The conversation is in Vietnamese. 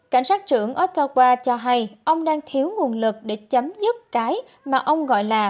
cảnh sát trưởng ottawa cho hay ông đang thiếu nguồn lực để chấm dứt cái mà ông gọi là